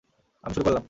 আমি শুরু করলাম।